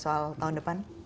tidak ada soal tahun depan